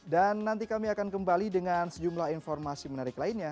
dan nanti kami akan kembali dengan sejumlah informasi menarik lainnya